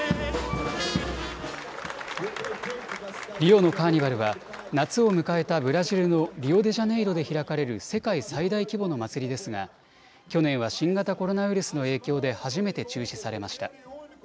リオのカーニバルは夏を迎えたブラジルのリオデジャネイロで開かれる世界最大規模の祭りですが去年は新型コロナウイルスの影響で初めて中止されました。